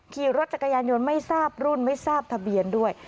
ขี่รถจักรยานยนต์ไม่ทราบรุ่นไม่ทราบทะเบียนด้วย